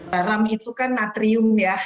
garam itu kan natrium ya